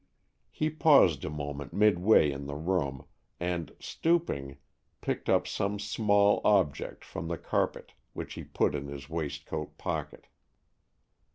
He paused a moment midway in the room, and, stooping, picked up some small object from the carpet, which he put in his waistcoat pocket.